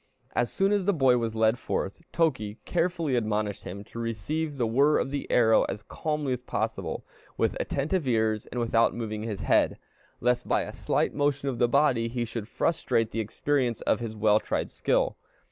As soon as the boy was led forth, Toki carefully admonished him to receive the whir of the arrow as calmly as possible, with attentive ears, and without moving his head, lest by a slight motion of the body he should frustrate the experience of his well tried skill.